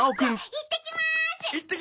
いってきます！